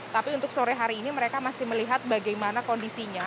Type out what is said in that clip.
tapi untuk sore hari ini mereka masih melihat bagaimana kondisinya